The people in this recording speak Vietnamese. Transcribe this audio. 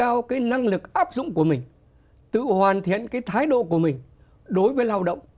nâng cao cái năng lực áp dụng của mình tự hoàn thiện cái thái độ của mình đối với lao động